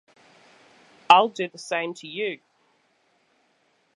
I’ll do the same to you.